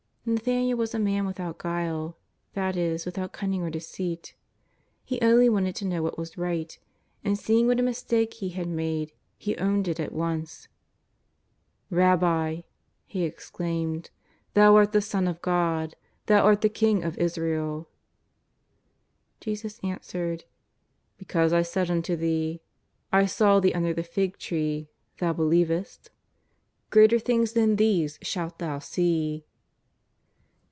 ISTathaniel was a man with out guile, that is without cunning or deceit. He only wanted to know what was right, and seeing what a mis take he had made he owmed it at once. :^' Eabbi,'' he exclaimed, " Thou art the Son of God, Thou art the King of Israel." Jesus answered :" Because I said unto Thee : I saw thee under the fig tree thou believest? greater things than these shalt thou see."